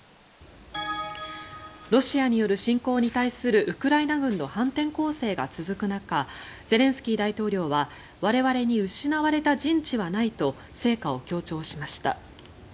ロシアによる侵攻に対するウクライナ軍の反転攻勢が続く中ゼレンスキー大統領は我々に失われた陣地はないと成果を強調しました。